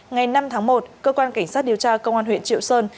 ngày năm tháng một cơ quan cảnh sát điều tra công an huyện triệu sơn